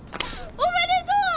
おめでとう！